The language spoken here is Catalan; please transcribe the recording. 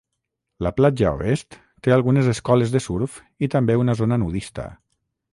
La platja oest té algunes escoles de surf i també una zona nudista.